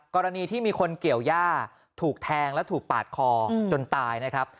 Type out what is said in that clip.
กรณีที่มีคนเกี่ยวย่าถูกแทงและถูกปาดคอจนตายนะครับ